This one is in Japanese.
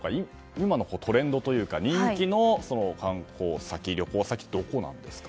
今のトレンドというか人気の観光先、旅行先ってどこなんですか？